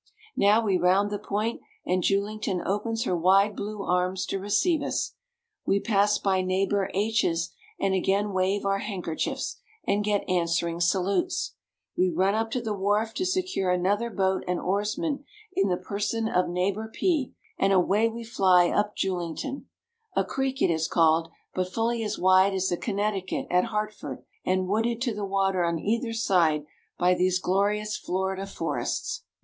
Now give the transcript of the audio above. Now we round the point, and Julington opens her wide blue arms to receive us. We pass by Neighbor H 's, and again wave our handkerchiefs, and get answering salutes. We run up to the wharf to secure another boat and oarsman in the person of Neighbor P , and away we fly up Julington. A creek it is called, but fully as wide as the Connecticut at Hartford, and wooded to the water on either side by these glorious Florida forests.